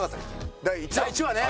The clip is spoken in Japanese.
第１話ね。